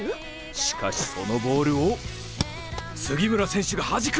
しかしそのボールを杉村選手がはじく！